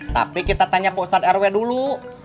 tapi kita tanya bok san rw dulu